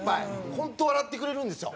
本当笑ってくれるんですよ。